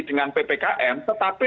dengan ppkm tetapi